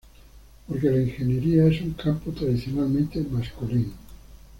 Porque la ingeniería es un campo tradicionalmente masculino.